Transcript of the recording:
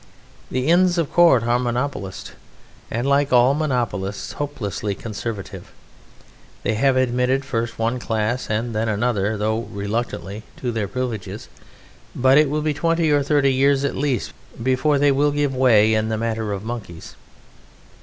The Inns of Court are monopolist, and, like all monopolists, hopelessly conservative. They have admitted first one class and then another though reluctantly to their privileges, but it will be twenty or thirty years at least before they will give way in the matter of Monkeys.